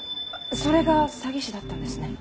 それが詐欺師だったんですね？